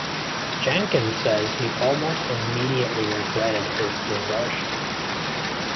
Jenkins says he almost immediately regretted his desertion.